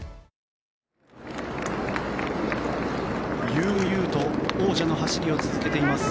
悠々と王者の走りを続けています